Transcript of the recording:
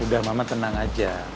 udah mama tenang aja